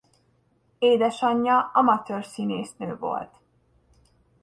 Édesanyja amatőr színésznő volt.